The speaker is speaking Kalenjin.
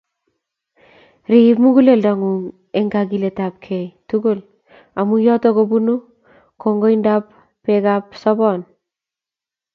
Riip muguleldang'ung' eng' kagiiletapkei tugul, amu yooto ko punu kong'igap peegap saboon.